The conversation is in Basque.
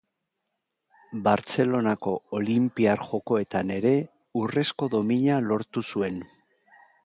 Bartzelonako Olinpiar Jokoetan ere urrezko domina lortu zuen.